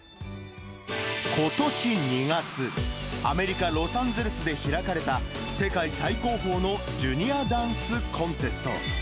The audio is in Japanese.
ことし２月、アメリカ・ロサンゼルスで開かれた、世界最高峰のジュニアダンスコンテスト。